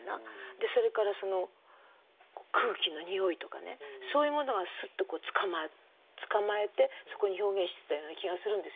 それから空気の匂いとかねそういうものがすっと捕まえてそこに表現してたような気がするんですよ。